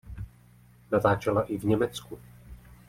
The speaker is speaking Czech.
Natáčela i v Německu.